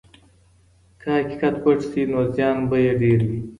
که حقیقت پټ سي نو زیان به یې ډېر وي.